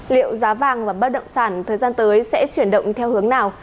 liệu giá vàng và bất động sản thời gian tới sẽ chuyển động theo hướng nào